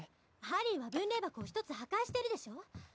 ハリーは分霊箱を１つ破壊してるでしょ